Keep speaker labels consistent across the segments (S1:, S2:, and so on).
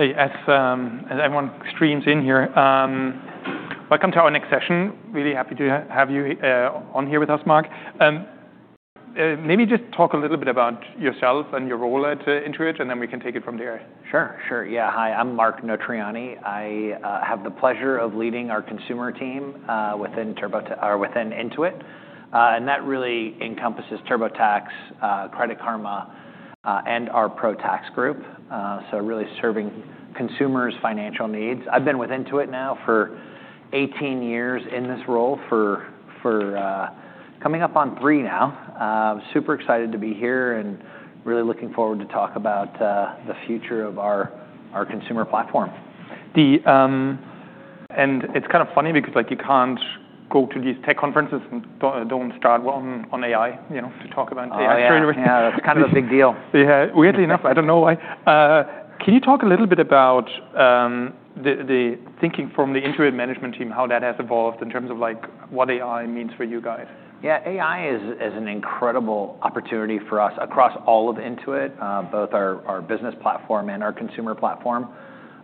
S1: Hey, as everyone streams in here, welcome to our next session. Really happy to have you on here with us, Mark. Maybe just talk a little bit about yourself and your role at Intuit, and then we can take it from there.
S2: Sure, sure. Yeah, hi, I'm Mark Notarainni. I have the pleasure of leading our consumer team within TurboTax or within Intuit, and that really encompasses TurboTax, Credit Karma, and our ProTax group, so really serving consumers' financial needs. I've been with Intuit now for 18 years in this role for coming up on three now, super excited to be here and really looking forward to talk about the future of our consumer platform.
S1: And it's kind of funny because, like, you can't go to these tech conferences and don't start on AI, you know, to talk about AI for any reason.
S2: Oh, yeah. Yeah, that's kind of a big deal.
S1: Yeah. Weirdly enough, I don't know why. Can you talk a little bit about the thinking from the Intuit management team, how that has evolved in terms of, like, what AI means for you guys?
S2: Yeah, AI is an incredible opportunity for us across all of Intuit, both our business platform and our consumer platform,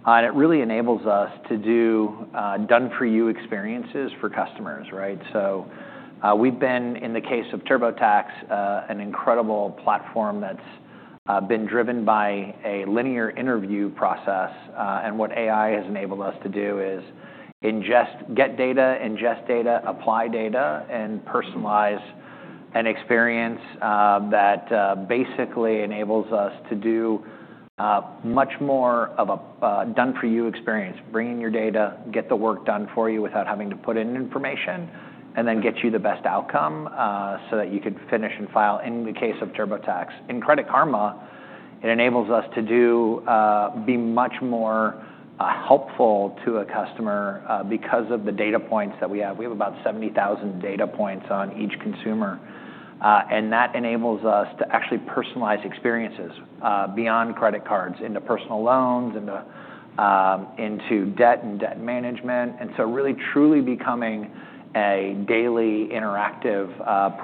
S2: and it really enables us to do done-for-you experiences for customers, right, so we've been in the case of TurboTax an incredible platform that's been driven by a linear interview process, and what AI has enabled us to do is ingest data, apply data, and personalize an experience that basically enables us to do much more of a done-for-you experience, bringing your data, get the work done for you without having to put in information, and then get you the best outcome so that you could finish and file. In the case of TurboTax, in Credit Karma, it enables us to be much more helpful to a customer because of the data points that we have. We have about 70,000 data points on each consumer, and that enables us to actually personalize experiences, beyond credit cards into personal loans, into debt and debt management. And so really, truly becoming a daily interactive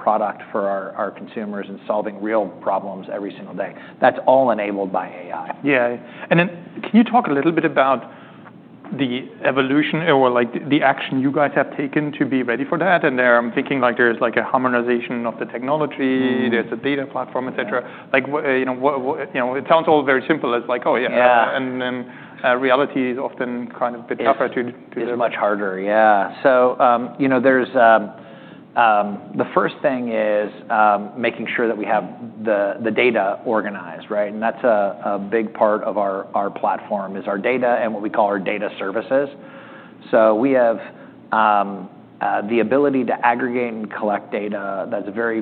S2: product for our consumers and solving real problems every single day. That's all enabled by AI.
S1: Yeah. And then can you talk a little bit about the evolution or, like, the action you guys have taken to be ready for that? And there I'm thinking, like, there's, like, a harmonization of the technology.
S2: Mm-hmm.
S1: There's a data platform, etc. Like, you know, what you know, it sounds all very simple. It's like.
S2: Oh, yeah. Yeah.
S1: And then, reality is often kind of a bit tougher to.
S2: Yeah. It is much harder. Yeah. So, you know, there's the first thing is making sure that we have the data organized, right? And that's a big part of our platform is our data and what we call our data services. So we have the ability to aggregate and collect data that's very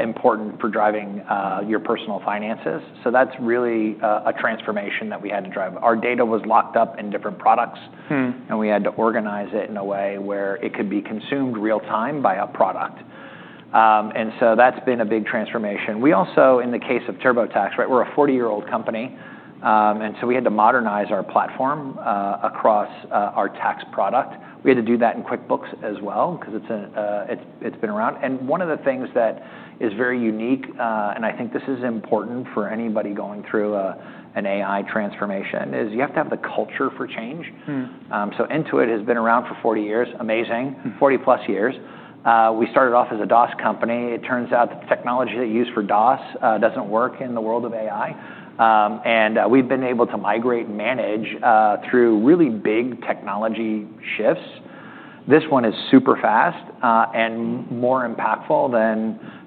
S2: important for driving your personal finances. So that's really a transformation that we had to drive. Our data was locked up in different products. And we had to organize it in a way where it could be consumed real-time by a product, and so that's been a big transformation. We also, in the case of TurboTax, right, we're a 40-year-old company, and so we had to modernize our platform across our tax product. We had to do that in QuickBooks as well 'cause it's been around. And one of the things that is very unique, and I think this is important for anybody going through an AI transformation, is you have to have the culture for change, so Intuit has been around for 40 years. Amazing. 40-plus years. We started off as a DOS company. It turns out that the technology they use for DOS doesn't work in the world of AI, and we've been able to migrate and manage through really big technology shifts. This one is super fast and more impactful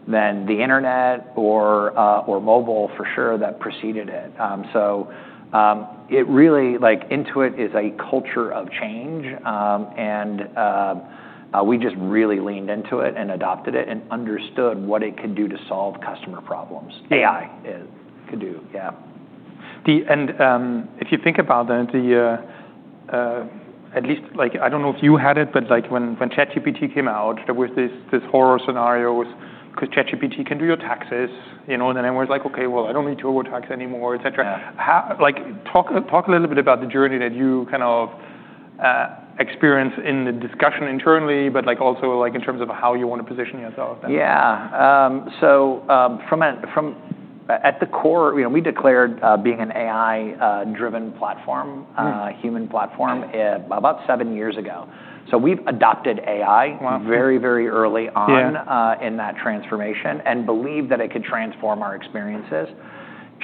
S2: than the internet or mobile for sure that preceded it, so it really, like, Intuit is a culture of change, and we just really leaned into it and adopted it and understood what it could do to solve customer problems.
S1: Yeah.
S2: AI could do. Yeah.
S1: If you think about that, at least, like, I don't know if you had it, but, like, when ChatGPT came out, there was this horror scenarios 'cause ChatGPT can do your taxes, you know, and then everyone's like, "Okay, well, I don't need TurboTax anymore," etc.
S2: Yeah.
S1: How, like, talk a little bit about the journey that you kind of experienced in the discussion internally, but, like, also, like, in terms of how you wanna position yourself then.
S2: Yeah. So at the core, you know, we declared being an AI-driven platform.
S1: Mm-hmm.
S2: human platform, about seven years ago, so we've adopted AI.
S1: Wow.
S2: Very, very early on.
S1: Yeah.
S2: In that transformation and believed that it could transform our experiences.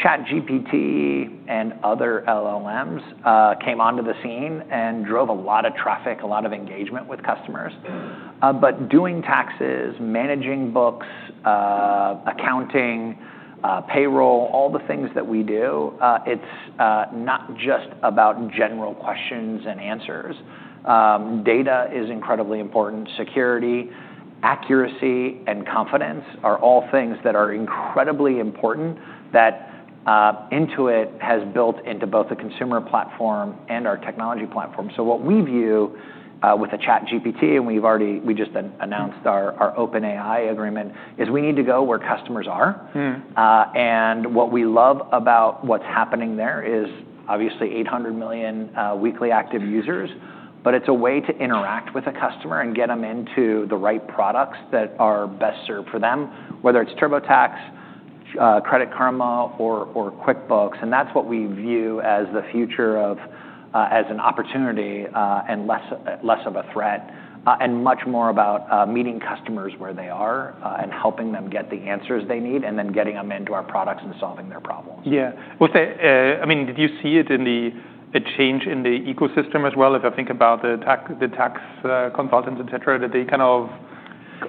S2: ChatGPT and other LLMs came onto the scene and drove a lot of traffic, a lot of engagement with customers, but doing taxes, managing books, accounting, payroll, all the things that we do, it's not just about general questions and answers. Data is incredibly important. Security, accuracy, and confidence are all things that are incredibly important that Intuit has built into both the consumer platform and our technology platform so what we view with a ChatGPT, and we've already, we just announced our OpenAI agreement, is we need to go where customers are and what we love about what's happening there is obviously 800 million weekly active users, but it's a way to interact with a customer and get them into the right products that are best served for them, whether it's TurboTax, Credit Karma, or QuickBooks. That's what we view as the future as an opportunity, and less of a threat, and much more about meeting customers where they are, and helping them get the answers they need and then getting them into our products and solving their problems.
S1: Yeah. Was there, I mean, did you see it in the change in the ecosystem as well? If I think about the tax consultants, etc., did they kind of.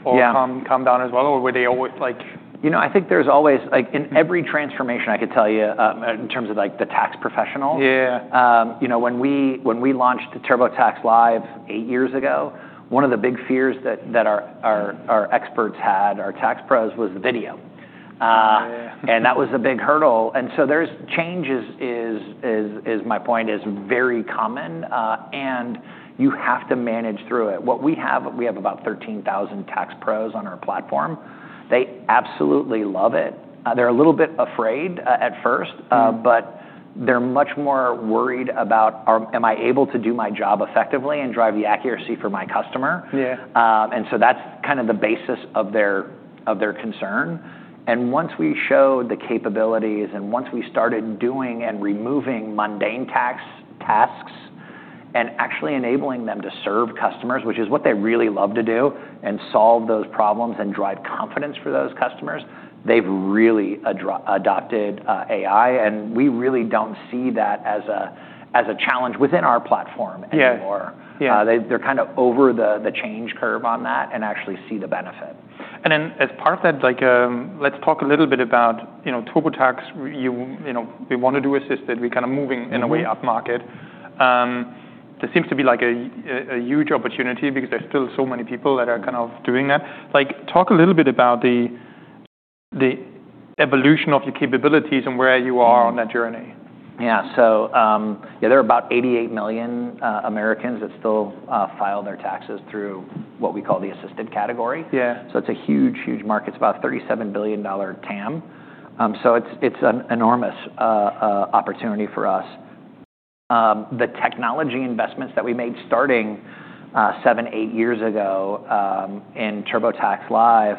S2: Yeah.
S1: Or come down as well, or were they always, like.
S2: You know, I think there's always, like, in every transformation, I could tell you, in terms of, like, the tax professional.
S1: Yeah.
S2: You know, when we launched TurboTax Live eight years ago, one of the big fears that our experts had, our tax pros, was video.
S1: Yeah.
S2: And that was a big hurdle. And so there's changes is my point is very common, and you have to manage through it. We have about 13,000 tax pros on our platform. They absolutely love it. They're a little bit afraid at first.
S1: Mm-hmm.
S2: But they're much more worried about, "Am I able to do my job effectively a+nd drive the accuracy for my customer?
S1: Yeah.
S2: And so that's kind of the basis of their concern. And once we showed the capabilities and once we started doing and removing mundane tax tasks and actually enabling them to serve customers, which is what they really love to do, and solve those problems and drive confidence for those customers, they've really adopted AI. And we really don't see that as a challenge within our platform anymore.
S1: Yeah. Yeah.
S2: They're kind of over the change curve on that and actually see the benefit.
S1: And then as part of that, like, let's talk a little bit about, you know, TurboTax, you know, we wanna do assisted. We're kind of moving.
S2: Mm-hmm.
S1: In a way, upmarket. There seems to be, like, a huge opportunity because there's still so many people that are kind of doing that. Like, talk a little bit about the evolution of your capabilities and where you are on that journey.
S2: Yeah. So yeah, there are about 88 million Americans that still file their taxes through what we call the assisted category.
S1: Yeah.
S2: So it's a huge, huge market. It's about a $37 billion TAM. So it's, it's an enormous opportunity for us. The technology investments that we made starting seven, eight years ago in TurboTax Live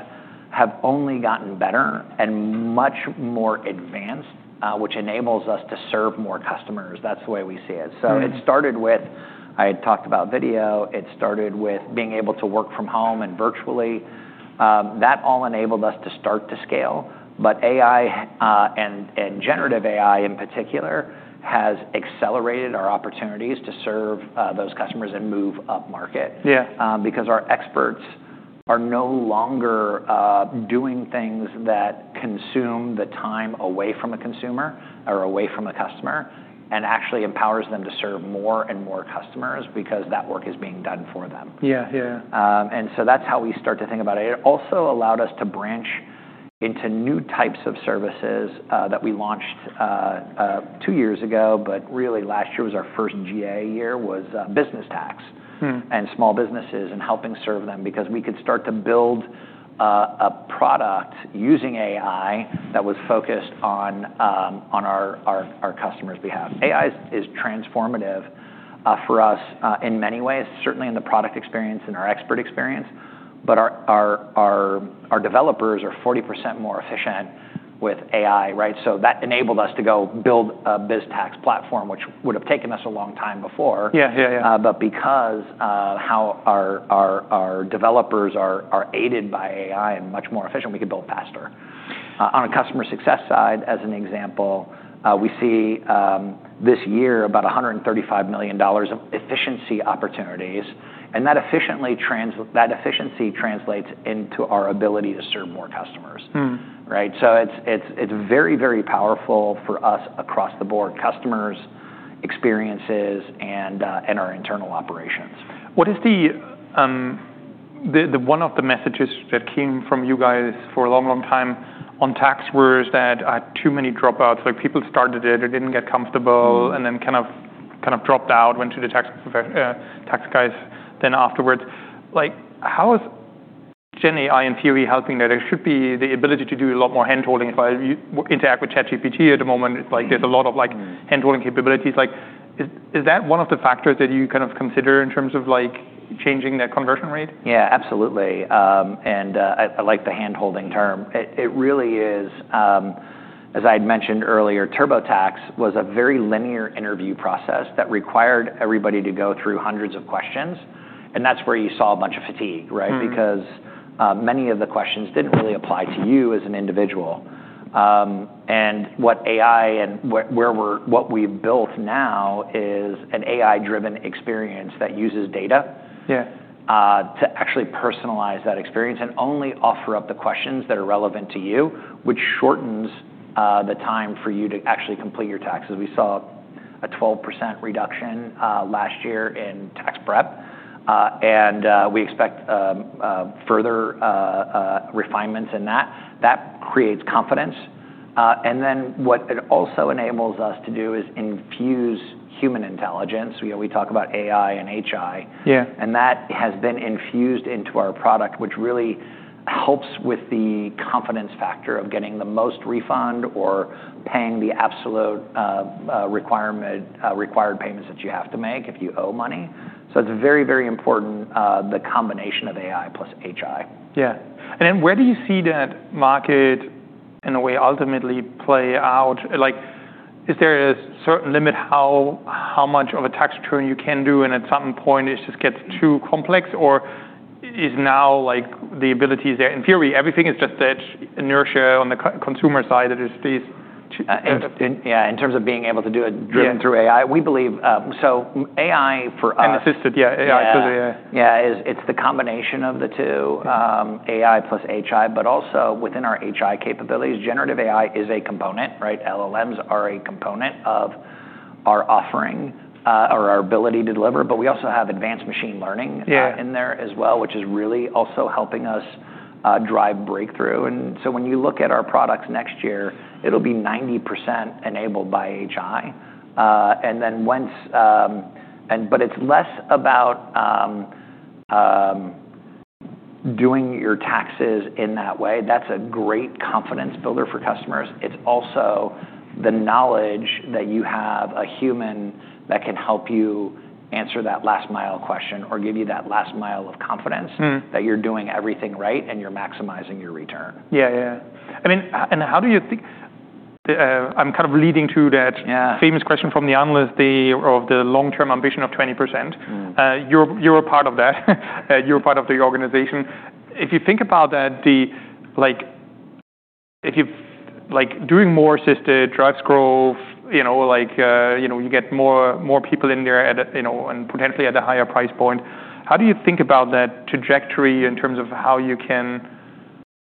S2: have only gotten better and much more advanced, which enables us to serve more customers. That's the way we see it.
S1: Yeah.
S2: So it started with, I had talked about video. It started with being able to work from home and virtually. That all enabled us to start to scale. But AI, and generative AI in particular has accelerated our opportunities to serve those customers and move upmarket.
S1: Yeah.
S2: because our experts are no longer doing things that consume the time away from a consumer or away from a customer and actually empowers them to serve more and more customers because that work is being done for them.
S1: Yeah. Yeah.
S2: And so that's how we start to think about it. It also allowed us to branch into new types of services that we launched two years ago, but really last year was our first GA year: business tax. And small businesses and helping serve them because we could start to build a product using AI that was focused on our customers' behalf. AI is transformative for us in many ways, certainly in the product experience and our expert experience. But our developers are 40% more efficient with AI, right? So that enabled us to go build a Biztax platform, which would've taken us a long time before.
S1: Yeah. Yeah. Yeah.
S2: But because of how our developers are aided by AI and much more efficient, we could build faster. On a customer success side, as an example, we see this year about $135 million of efficiency opportunities. And that efficiency translates into our ability to serve more customers. Right? So it's very powerful for us across the board, customers, experiences, and our internal operations.
S1: What is the one of the messages that came from you guys for a long, long time on tax was that too many dropouts, like people started it, they didn't get comfortable?
S2: Mm-hmm.
S1: And then kind of dropped out, went to the tax guys then afterwards. Like, how is Gen AI in theory helping that? There should be the ability to do a lot more handholding while you interact with ChatGPT at the moment. Like, there's a lot of, like, handholding capabilities. Like, is that one of the factors that you kind of consider in terms of, like, changing that conversion rate?
S2: Yeah. Absolutely, and I like the handholding term. It really is, as I had mentioned earlier, TurboTax was a very linear interview process that required everybody to go through hundreds of questions, and that's where you saw a bunch of fatigue, right?
S1: Mm-hmm.
S2: Because many of the questions didn't really apply to you as an individual, and what we've built now is an AI-driven experience that uses data.
S1: Yeah.
S2: to actually personalize that experience and only offer up the questions that are relevant to you, which shortens the time for you to actually complete your taxes. We saw a 12% reduction last year in tax prep, and we expect further refinements in that. That creates confidence, and then what it also enables us to do is infuse Human Intelligence. You know, we talk about AI and HI.
S1: Yeah.
S2: And that has been infused into our product, which really helps with the confidence factor of getting the most refund or paying the absolute required payments that you have to make if you owe money. So it's very, very important, the combination of AI plus HI.
S1: Yeah. And then where do you see that market in a way ultimately play out? Like, is there a certain limit how much of a tax return you can do, and at some point it just gets too complex, or is now, like, the ability is there? In theory, everything is just that inertia on the consumer side that is these two ends of.
S2: Yeah. In terms of being able to do it.
S1: Yeah.
S2: Driven through AI. We believe, so AI for us.
S1: And assisted, yeah. AI for the, yeah.
S2: Yeah. It's the combination of the two, AI plus HI, but also within our HI capabilities, generative AI is a component, right? LLMs are a component of our offering, or our ability to deliver. But we also have advanced machine learning.
S1: Yeah.
S2: In there as well, which is really also helping us drive breakthrough, and so when you look at our products next year, it'll be 90% enabled by HI, and then once, and but it's less about doing your taxes in that way. That's a great confidence builder for customers. It's also the knowledge that you have a human that can help you answer that last-mile question or give you that last-mile of confidence that you're doing everything right and you're maximizing your return.
S1: Yeah. Yeah. Yeah. I mean, and how do you think the, I'm kind of leading to that.
S2: Yeah.
S1: Famous question from the analyst of the long-term ambition of 20%.
S2: Mm-hmm.
S1: You're a part of that. You're a part of the organization. If you think about that, like, if you like doing more assisted drive growth, you know, like, you know, you get more people in there, you know, and potentially at a higher price point. How do you think about that trajectory in terms of how you can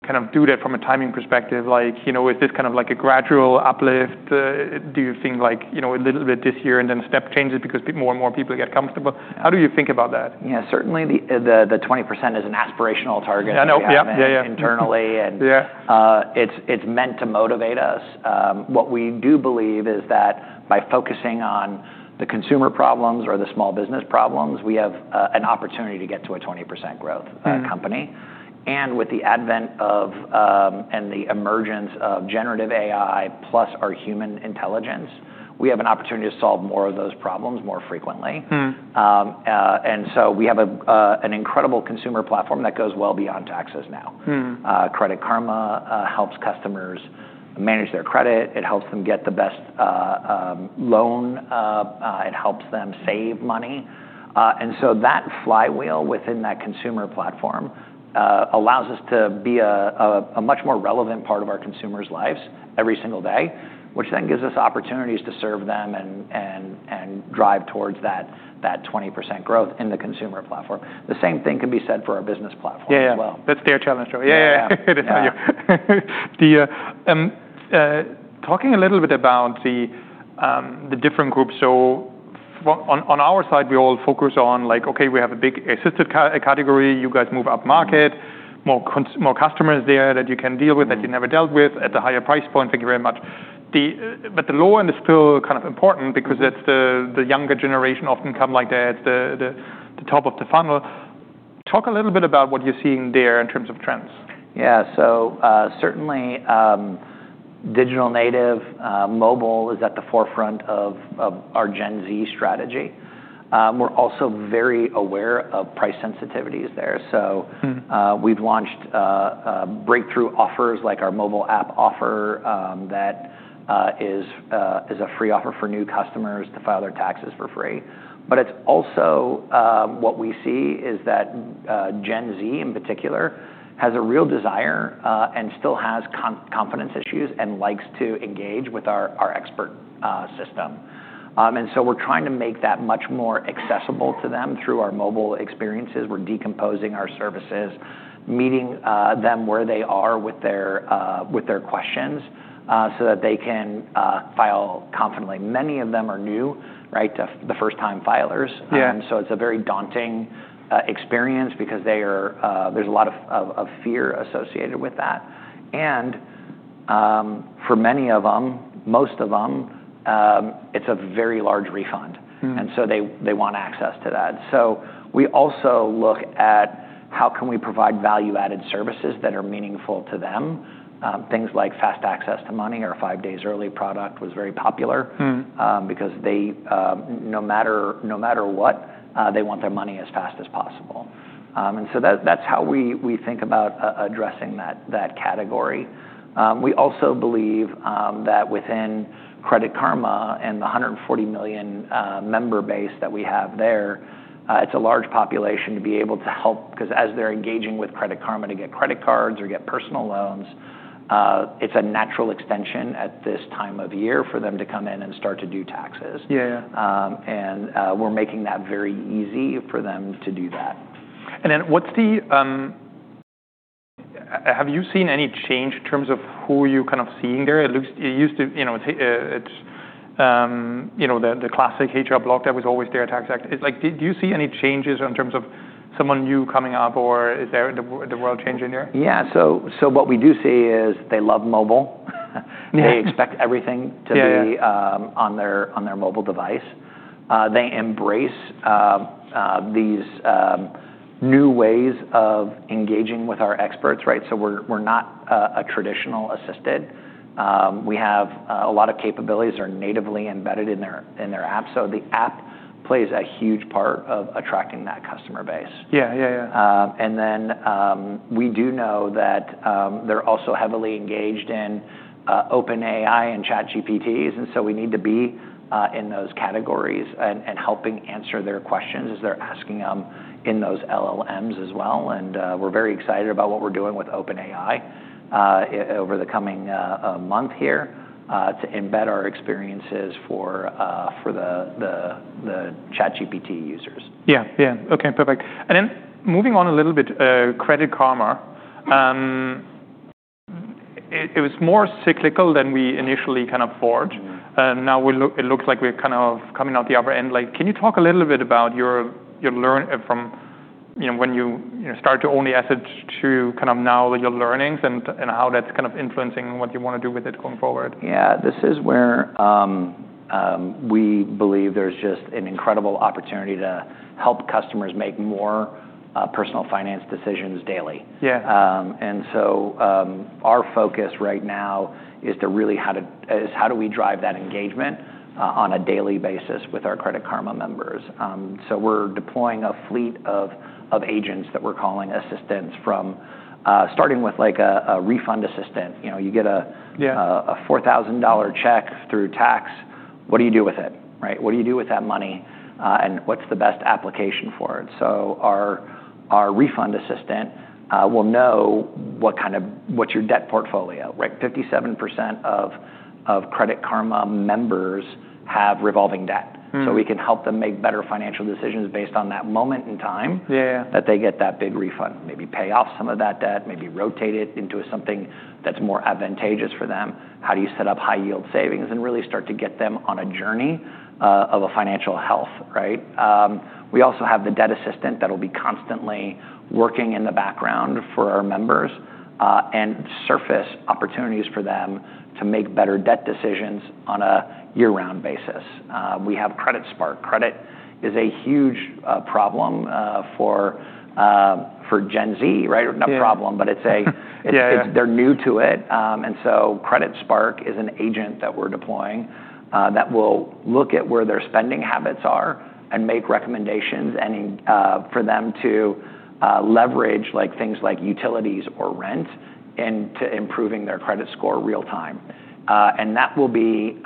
S1: kind of do that from a timing perspective? Like, you know, is this kind of like a gradual uplift? Do you think, like, you know, a little bit this year and then step changes because more and more people get comfortable? How do you think about that?
S2: Yeah. Certainly the 20% is an aspirational target.
S1: I know. Yeah. Yeah. Yeah.
S2: Internally and.
S1: Yeah.
S2: It's meant to motivate us. What we do believe is that by focusing on the consumer problems or the small business problems, we have an opportunity to get to a 20% growth company. And with the advent of and the emergence of generative AI plus our Human intelligence, we have an opportunity to solve more of those problems more frequently. So we have an incredible consumer platform that goes well beyond taxes now. Credit Karma helps customers manage their credit. It helps them get the best loan. It helps them save money. So that flywheel within that consumer platform allows us to be a much more relevant part of our consumers' lives every single day, which then gives us opportunities to serve them and drive towards that 20% growth in the consumer platform. The same thing can be said for our business platform as well.
S1: Yeah. That's their challenge too. Yeah, yeah, yeah. It is how you're.
S2: Yeah.
S1: Talking a little bit about the different groups. So on our side, we all focus on, like, okay, we have a big assisted category. You guys move upmarket, more cons more customers there that you can deal with that you never dealt with at the higher price point. Thank you very much. But the lower end is still kind of important because it's the younger generation often come like that, the top of the funnel. Talk a little bit about what you're seeing there in terms of trends.
S2: Yeah. So certainly, digital native mobile is at the forefront of our Gen Z strategy. We're also very aware of price sensitivities there. So we've launched breakthrough offers like our mobile app offer that is a free offer for new customers to file their taxes for free. But it's also what we see is that Gen Z in particular has a real desire and still has confidence issues and likes to engage with our expert system, and so we're trying to make that much more accessible to them through our mobile experiences. We're decomposing our services, meeting them where they are with their questions, so that they can file confidently. Many of them are new, right, the first-time filers.
S1: Yeah.
S2: And so it's a very daunting experience because there's a lot of fear associated with that. For many of them, most of them, it's a very large refund. And so they want access to that. So we also look at how can we provide value-added services that are meaningful to them. Things like fast access to money or five days early product was very popular because they no matter what they want their money as fast as possible. And so that's how we think about addressing that category. We also believe that within Credit Karma and the 140 million member base that we have there, it's a large population to be able to help because as they're engaging with Credit Karma to get credit cards or get personal loans, it's a natural extension at this time of year for them to come in and start to do taxes.
S1: Yeah. Yeah.
S2: And we're making that very easy for them to do that.
S1: And then, have you seen any change in terms of who you're kind of seeing there? It looks you used to, you know, it's, you know, the classic H&R Block that was always there, TaxAct. It's like, do you see any changes in terms of someone new coming up, or is there the world changing there?
S2: Yeah. So what we do see is they love mobile.
S1: Yeah.
S2: They expect everything to be.
S1: Yeah.
S2: On their mobile device. They embrace these new ways of engaging with our experts, right? So we're not a traditional assisted. We have a lot of capabilities that are natively embedded in their app. So the app plays a huge part of attracting that customer base.
S1: Yeah. Yeah. Yeah.
S2: And then we do know that they're also heavily engaged in OpenAI and ChatGPTs. And so we need to be in those categories and helping answer their questions as they're asking them in those LLMs as well. And we're very excited about what we're doing with OpenAI over the coming month here to embed our experiences for the ChatGPT users.
S1: Yeah. Yeah. Okay. Perfect. And then moving on a little bit, Credit Karma, it was more cyclical than we initially kind of thought. Now it looks like we're kind of coming out the other end. Like, can you talk a little bit about your learnings from, you know, when you started to own the asset to kind of now, your learnings and how that's kind of influencing what you want to do with it going forward?
S2: Yeah. This is where we believe there's just an incredible opportunity to help customers make more personal finance decisions daily.
S1: Yeah.
S2: Our focus right now is really how do we drive that engagement on a daily basis with our Credit Karma members? We're deploying a fleet of agents that we're calling assistants starting with like a refund assistant. You know, you get a.
S1: Yeah.
S2: A $4,000 check through tax. What do you do with it, right? What do you do with that money? And what's the best application for it? So our refund assistant will know what kind of what's your debt portfolio, right? 57% of Credit Karma members have revolving debt. So we can help them make better financial decisions based on that moment in time.
S1: Yeah. Yeah.
S2: That they get that big refund, maybe pay off some of that debt, maybe rotate it into something that's more advantageous for them. How do you set up high-yield savings and really start to get them on a journey of financial health, right? We also have the debt assistant that'll be constantly working in the background for our members, and surface opportunities for them to make better debt decisions on a year-round basis. We have Credit Spark. Credit is a huge problem for Gen Z, right?
S1: Yeah.
S2: Not a problem, but it's a.
S1: Yeah. Yeah.
S2: They're new to it. So Credit Spark is an agent that we're deploying, that will look at where their spending habits are and make recommendations and for them to leverage, like, things like utilities or rent and to improving their credit score real-time. That will be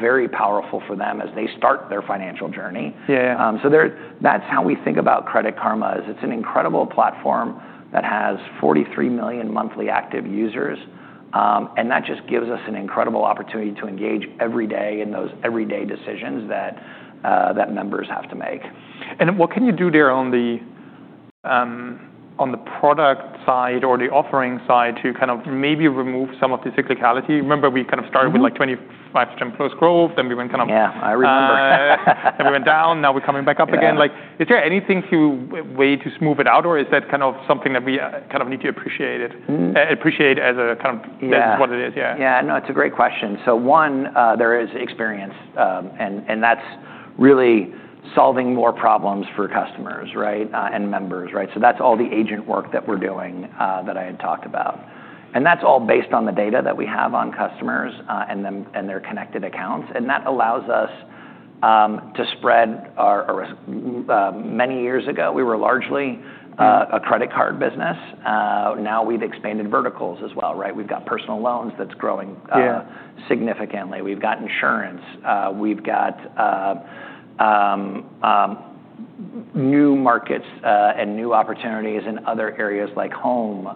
S2: very powerful for them as they start their financial journey.
S1: Yeah. Yeah.
S2: That's how we think about Credit Karma. It's an incredible platform that has 43 million monthly active users, and that just gives us an incredible opportunity to engage every day in those everyday decisions that members have to make.
S1: What can you do there on the product side or the offering side to kind of maybe remove some of the cyclicality? Remember we kind of started with like 25% plus growth, then we went kind of.
S2: Yeah. I remember.
S1: And we went down. Now we're coming back up again. Like, is there anything to way to smooth it out, or is that kind of something that we kind of need to appreciate it?
S2: Yeah.
S1: This is what it is. Yeah.
S2: Yeah. No. It's a great question. So one, there is experience, and that's really solving more problems for customers, right, and members, right? So that's all the agent work that we're doing, that I had talked about. And that's all based on the data that we have on customers, and them, and their connected accounts. And that allows us to spread our risks. Many years ago, we were largely a credit card business. Now we've expanded verticals as well, right? We've got personal loans that's growing.
S1: Yeah.
S2: Significantly. We've got insurance. We've got new markets and new opportunities in other areas like home,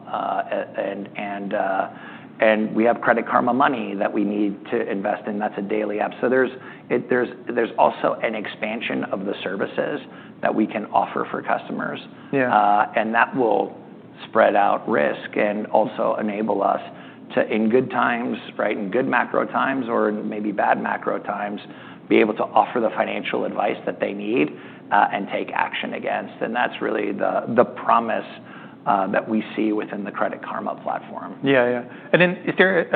S2: and we have Credit Karma Money that we need to invest in. That's a daily app. So there's also an expansion of the services that we can offer for customers.
S1: Yeah.
S2: and that will spread out risk and also enable us to, in good times, right, in good macro times or maybe bad macro times, be able to offer the financial advice that they need, and take action against. And that's really the promise that we see within the Credit Karma platform.
S1: Yeah. Yeah. And then, is there,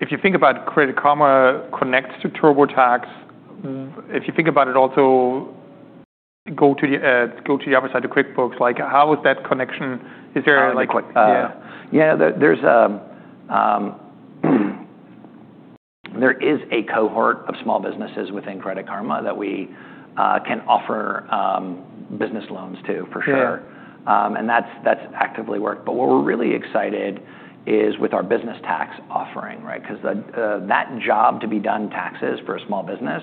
S1: if you think about Credit Karma connects to TurboTax, if you think about it, also go to the other side of QuickBooks, like, how is that connection? Is there like.
S2: Oh, quick.
S1: Yeah.
S2: Yeah. There is a cohort of small businesses within Credit Karma that we can offer business loans to for sure.
S1: Yeah.
S2: And that's actively worked. But what we're really excited is with our business tax offering, right? Because that job to be done taxes for a small business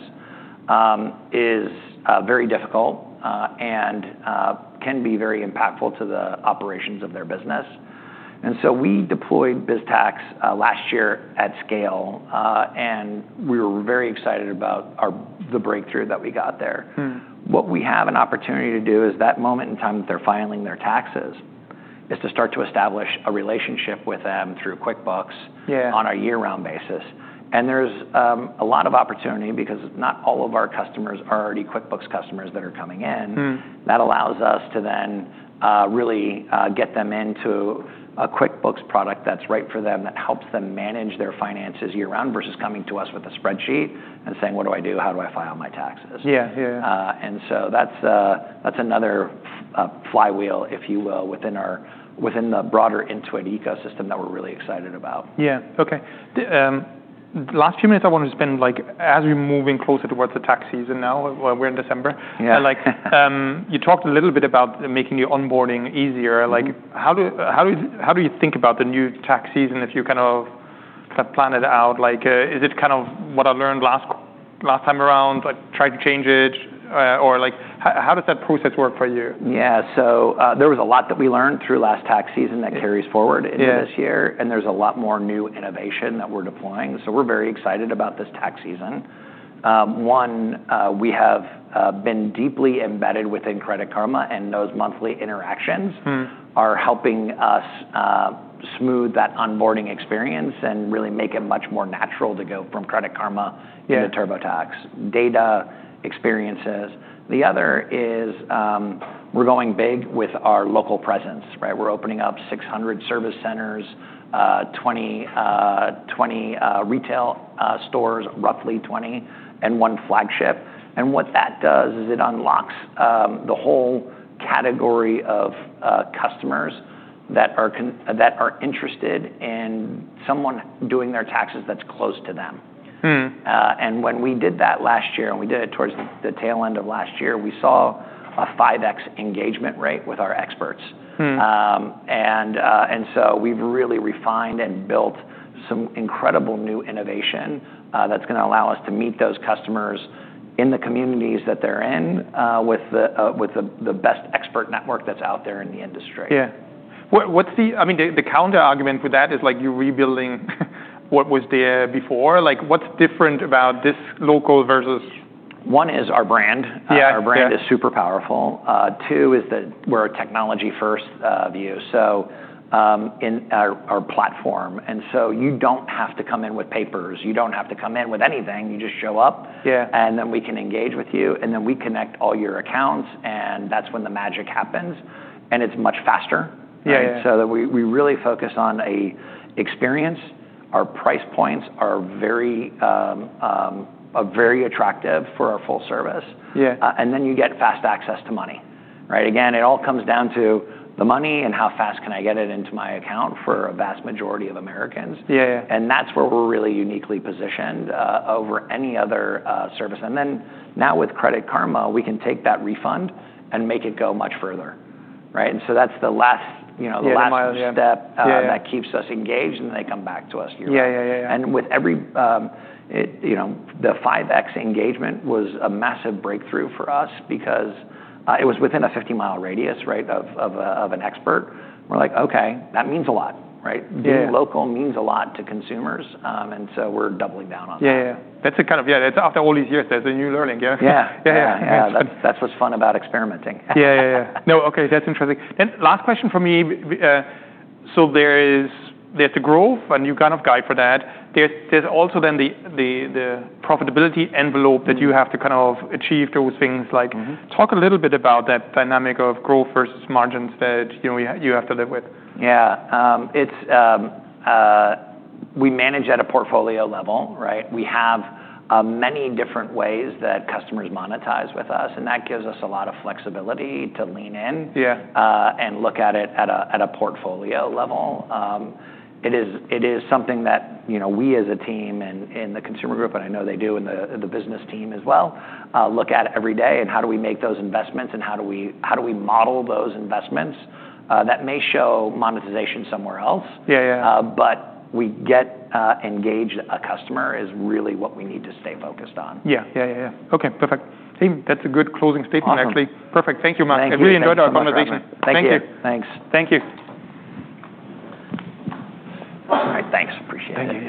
S2: is very difficult and can be very impactful to the operations of their business. And so we deployed Biztax last year at scale, and we were very excited about the breakthrough that we got there. What we have an opportunity to do is that moment in time that they're filing their taxes is to start to establish a relationship with them through QuickBooks.
S1: Yeah.
S2: On a year-round basis, and there's a lot of opportunity because not all of our customers are already QuickBooks customers that are coming in. That allows us to then really get them into a QuickBooks product that's right for them that helps them manage their finances year-round versus coming to us with a spreadsheet and saying, "What do I do? How do I file my taxes?
S1: Yeah. Yeah. Yeah.
S2: and so that's another flywheel, if you will, within the broader Intuit ecosystem that we're really excited about.
S1: Yeah. Okay. In the last few minutes I want to spend, like, as we're moving closer towards the tax season now, we're in December.
S2: Yeah.
S1: Like, you talked a little bit about making your onboarding easier. Like, how do you think about the new tax season if you kind of plan it out? Like, is it kind of what I learned last time around, like try to change it, or like how does that process work for you?
S2: Yeah. So, there was a lot that we learned through last tax season that carries forward into this year.
S1: Yeah.
S2: And there's a lot more new innovation that we're deploying. So we're very excited about this tax season. One, we have been deeply embedded within Credit Karma, and those monthly interactions are helping us smooth that onboarding experience and really make it much more natural to go from Credit Karma.
S1: Yeah.
S2: To TurboTax. Data experiences. The other is, we're going big with our local presence, right? We're opening up 600 service centers, 20 retail stores, roughly 20, and one flagship. And what that does is it unlocks the whole category of customers that are interested in someone doing their taxes that's close to them. And when we did that last year, and we did it towards the tail end of last year, we saw a 5X engagement rate with our experts. And so we've really refined and built some incredible new innovation that's going to allow us to meet those customers in the communities that they're in, with the best expert network that's out there in the industry.
S1: Yeah. What's the, I mean, the counter argument with that is like you're rebuilding what was there before. Like, what's different about this local versus.
S2: One is our brand.
S1: Yeah.
S2: Our brand is super powerful. Two is that we're a technology-first view, so in our platform, and so you don't have to come in with papers. You don't have to come in with anything. You just show up.
S1: Yeah.
S2: And then we can engage with you, and then we connect all your accounts, and that's when the magic happens. And it's much faster.
S1: Yeah.
S2: Right? So that we really focus on an experience. Our price points are very attractive for our full service.
S1: Yeah.
S2: and then you get fast access to money, right? Again, it all comes down to the money and how fast can I get it into my account for a vast majority of Americans.
S1: Yeah. Yeah.
S2: and that's where we're really uniquely positioned over any other service. And then now with Credit Karma, we can take that refund and make it go much further, right? And so that's the last, you know, the last.
S1: Yeah. Yeah. Yeah.
S2: step, that keeps us engaged, and they come back to us yearly.
S1: Yeah. Yeah. Yeah.
S2: And with it, you know, the 5X engagement was a massive breakthrough for us because it was within a 50-mile radius, right, of an expert. We're like, "Okay. That means a lot," right?
S1: Yeah.
S2: Being local means a lot to consumers, and so we're doubling down on that.
S1: Yeah. Yeah. That's a kind of, yeah, that's after all these years, there's a new learning, yeah?
S2: Yeah. Yeah. Yeah.
S1: Yeah.
S2: That's, that's what's fun about experimenting.
S1: Yeah. Yeah. Yeah. No. Okay. That's interesting. Then last question for me, so there's the growth and you kind of guide for that. There's also then the profitability envelope that you have to kind of achieve those things. Like.
S2: Mm-hmm.
S1: Talk a little bit about that dynamic of growth versus margins that, you know, you have to live with.
S2: Yeah. We manage at a portfolio level, right? We have many different ways that customers monetize with us, and that gives us a lot of flexibility to lean in.
S1: Yeah.
S2: And look at it at a portfolio level. It is something that, you know, we as a team and the consumer group, and I know they do in the business team as well, look at every day and how do we make those investments and how do we model those investments that may show monetization somewhere else.
S1: Yeah. Yeah.
S2: but we get engaged a customer is really what we need to stay focused on.
S1: Yeah. Yeah. Yeah. Yeah. Okay. Perfect. Same, that's a good closing statement, actually.
S2: Okay.
S1: Perfect. Thank you, Mark.
S2: Thank you.
S1: I really enjoyed our conversation.
S2: Thank you.
S1: Thank you.
S2: Thanks.
S1: Thank you.
S2: All right. Thanks. Appreciate it.